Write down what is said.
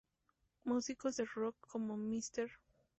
Músicos de rock como Mr.